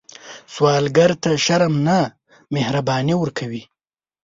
سوالګر ته شرم نه، مهرباني ورکوئ